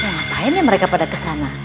ngapain ya mereka pada kesana